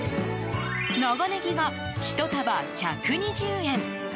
長ネギが１束１２０円。